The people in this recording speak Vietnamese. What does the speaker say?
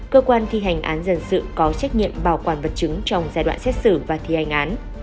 cơ quan thi hành án dân sự có trách nhiệm bảo quản vật chứng trong giai đoạn xét xử và thi hành án